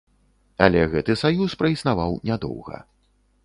Але гэты саюз праіснаваў нядоўга.